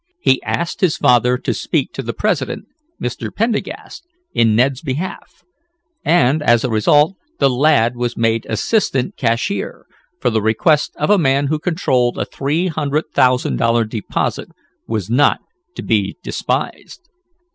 He asked his father to speak to the president, Mr. Pendergast, in Ned's behalf, and, as a result the lad was made assistant cashier, for the request of a man who controlled a three hundred thousand dollar deposit was not to be despised.